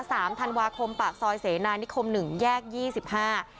สามธันวาคมปากซอยเสนานิคมหนึ่งแยกยี่สิบห้า